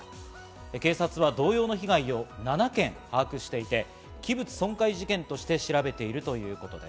警察は同様の被害を７件把握していて、器物損壊事件として調べているということです。